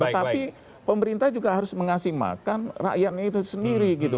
tetapi pemerintah juga harus mengasih makan rakyatnya itu sendiri gitu